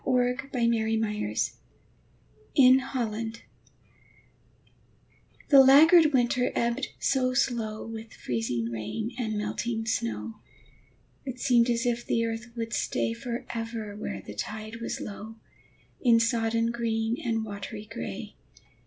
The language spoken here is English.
FLOOD TIDE OF FLOWERS IN HOLLAND The laggard winter ebbed so slow With freezing rain and melting snow, It seemed as if the earth would stay Forever where the tide was low, In sodden green and watery gray.